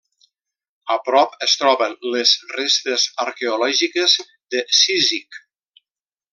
A prop es troben les restes arqueològiques de Cízic.